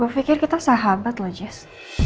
gue pikir kita sahabat jess